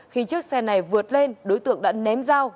khi chiếc xe này vượt lên đối tượng đã ném dao